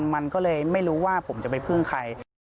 มันก็เลยไม่รู้ว่าผมจะไปพึ่งใคร